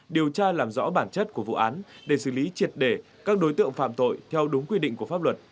điều tra làm rõ bản chất của vụ án để xử lý triệt để các đối tượng phạm tội theo đúng quy định của pháp luật